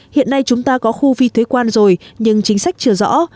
hiện nay chúng ta có khu phi thuế quan rồi nhưng chính sách chưa rõ